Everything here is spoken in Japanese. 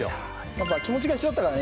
やっぱ気持ちが一緒だったからね